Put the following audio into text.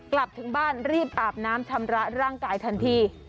กลับถึงบ้านรีบอาบน้ำชำระร่างกายทันที